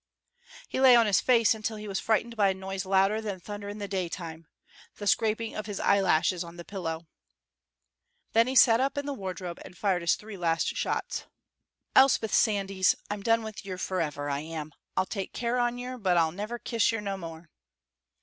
He lay on his face until he was frightened by a noise louder than thunder in the daytime the scraping of his eyelashes on the pillow. Then he sat up in the wardrobe and fired his three last shots. "Elspeth Sandys, I'm done with yer forever, I am. I'll take care on yer, but I'll never kiss yer no more.